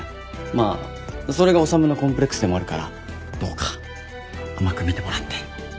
まあそれが修のコンプレックスでもあるからどうか甘く見てもらって。